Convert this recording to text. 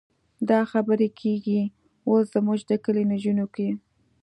دا خبرې کېږي اوس زموږ د کلي نجونو کې.